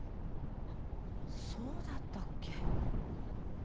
そうだったっけ？